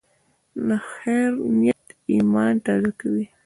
د خیر نیت ایمان تازه کوي.